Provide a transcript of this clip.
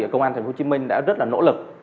công an tp hcm đã rất là nỗ lực